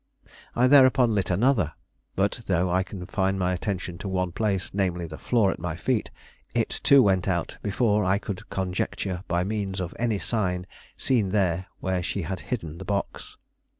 I thereupon lit another; but though I confined my attention to one place, namely, the floor at my feet, it too went out before I could conjecture by means of any sign seen there where she had hidden the box.